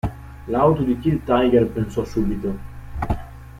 L'auto di Kid Tiger pensò subito.